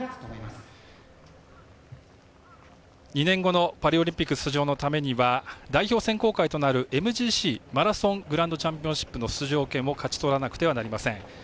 ２年後のパリオリンピック出場のためには代表選考会となるＭＧＣ＝マラソングランドチャンピオンシップの出場権を勝ち取らなければいけません。